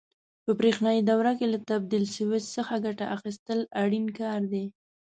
په برېښنایي دوره کې له تبدیل سویچ څخه ګټه اخیستل اړین کار دی.